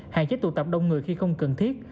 hạn chế tụ tập đông người khi không cần thiết